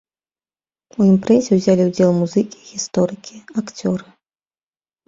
У імпрэзе ўзялі ўдзел музыкі, гісторыкі, акцёры.